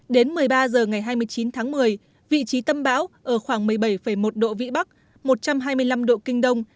đến một mươi ba h ngày hai mươi chín tháng một mươi vị trí tâm bão ở khoảng một mươi bảy một độ vĩ bắc một trăm hai mươi năm độ kinh đông